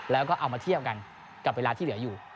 แล้วก็เอามาเทียบกันกับเวลาที่เหลืออยู่